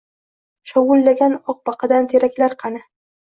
Shovullagan oqbadan teraklar qani?ng